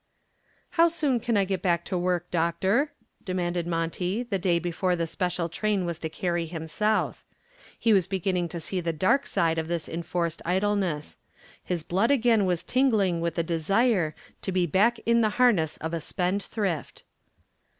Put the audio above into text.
"How soon can I get back to work, Doctor?" demanded Monty, the day before the special train was to carry him south. He was beginning to see the dark side of this enforced idleness. His blood again was tingling with the desire to be back in the harness of a spendthrift.